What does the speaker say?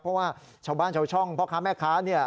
เพราะว่าชาวบ้านชาวช่องพ่อค้าแม่ค้าเนี่ย